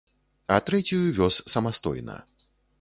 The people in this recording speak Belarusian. А трэцюю вёз самастойна.